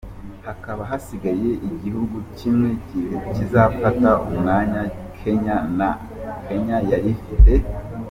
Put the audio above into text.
Hakaba hasigaye igihugu kimwe kizafata umwanya Kenya yari ifite.